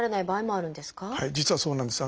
実はそうなんです。